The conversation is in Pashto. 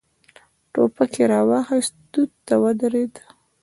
ټوپک يې را واخيست، توت ته ودرېد.